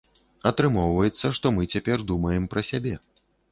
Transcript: Атрымоўваецца, што мы цяпер думаем пра сябе.